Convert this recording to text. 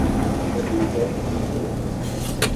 Но приезжайте после оперы.